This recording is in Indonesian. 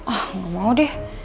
ah gak mau deh